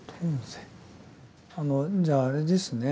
遁世じゃああれですね